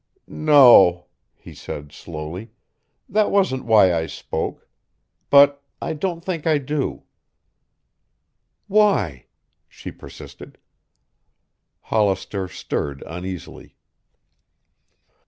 "No," he said slowly. "That wasn't why I spoke but I don't think I do." "Why?" she persisted. Hollister stirred uneasily.